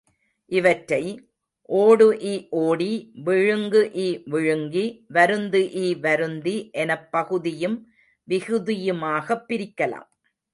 இவற்றை, ஓடு இ ஓடி, விழுங்கு இ விழுங்கி, வருந்து இ வருந்தி எனப் பகுதியும் விகுதியுமாகப் பிரிக்கலாம்.